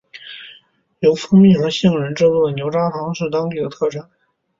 由蜂蜜和杏仁制作的牛轧糖是当地的特产。